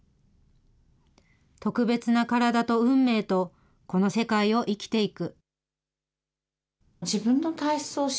特別な体と運命と、この世界を生きていく。